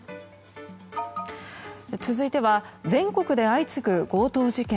続いては全国で相次ぐ強盗事件。